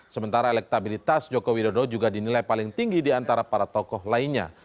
sementara elektabilitas jokowi dodo juga dinilai paling tinggi diantara para tokoh lainnya